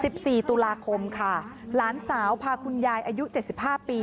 สิบสี่ตุลาคมค่ะหลานสาวพาคุณยายอายุเจ็ดสิบห้าปี